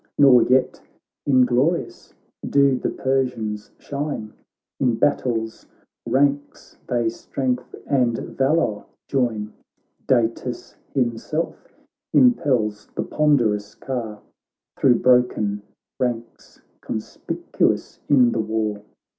Nor yet inglorious do the Persians shine, In battle's ranks they strength and valour join : Datis himself impels the ponderous car Thro' broken ranks, conspicuous in the war.